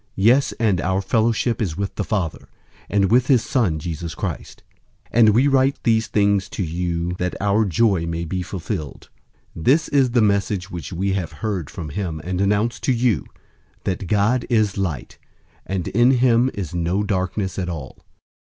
Yes, and our fellowship is with the Father, and with his Son, Jesus Christ. 001:004 And we write these things to you, that our joy may be fulfilled. 001:005 This is the message which we have heard from him and announce to you, that God is light, and in him is no darkness at all.